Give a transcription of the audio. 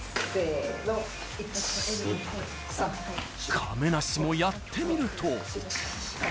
亀梨もやってみると。